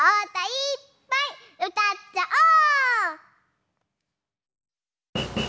いっぱいうたっちゃおう！